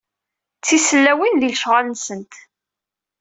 D tisellawin di lecɣal-nsent.